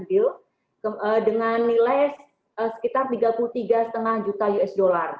dengan nilai sekitar tiga puluh tiga lima juta usd